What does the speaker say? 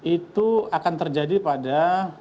itu akan terjadi pada